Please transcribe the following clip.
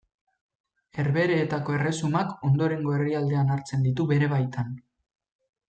Herbehereetako Erresumak ondorengo herrialdean hartzen ditu bere baitan.